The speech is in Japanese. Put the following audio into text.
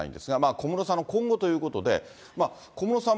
小室さんの今後ということで、小室さん